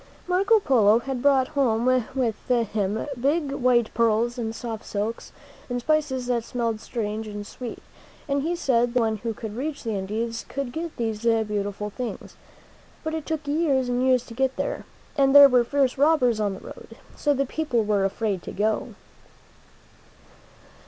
Marco Polo had brought home with him big white pearls and soft silks, and spices that smelled strange and sweet, and he said that anyone who could reach the Indies could get these beautiful things. But it took years and years to get there, and there were fierce robbers on the road, so the people were afraid to go.